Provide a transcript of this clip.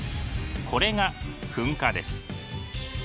これが噴火です。